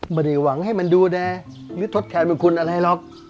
ไม่ได้หวังให้มันดูแลหรือทดแทนบุญคุณอะไรหรอก